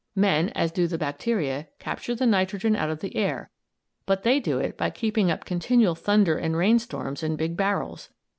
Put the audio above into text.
Men, as do the bacteria, capture the nitrogen out of the air, but they do it by keeping up continual thunder and rain storms in big barrels.